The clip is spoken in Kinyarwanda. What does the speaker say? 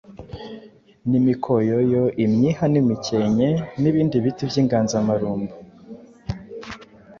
n’imikoyoyo, imyiha n’imikenke n’ibindi biti by’inganzamarumbu.